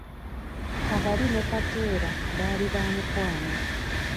Kabali ne Kateera baali ba mukwano.